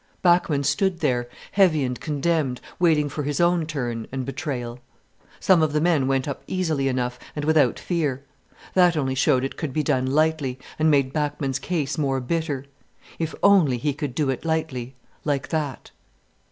Bachmann stood there heavy and condemned, waiting for his own turn and betrayal. Some of the men went up easily enough, and without fear. That only showed it could be done lightly, and made Bachmann's case more bitter. If only he could do it lightly, like that.